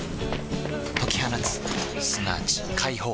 解き放つすなわち解放